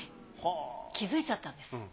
気づいちゃったんです。